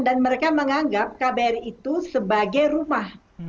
dan mereka menganggap kbri itu sebagai rumah